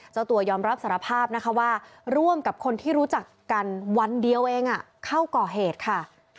เจ้าตัวยอมรับสารภาพนะคะว่าร่วมกับคนที่รู้จักกันวันเดียวเองเข้าก่อเหตุค่ะ